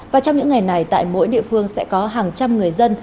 và trong những ngày này tại mỗi địa phương sẽ có hàng trăm người dân